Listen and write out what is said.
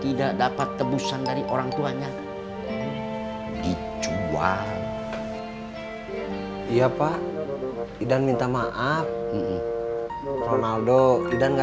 tidak dapat tebusan dari orangtuanya dicua iya pak idan minta maaf ronaldo tidak